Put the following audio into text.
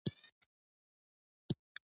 • د زړه د درزا اورېدو ته کښېنه.